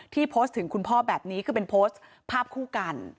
โพสต์ถึงคุณพ่อแบบนี้คือเป็นโพสต์ภาพคู่กัน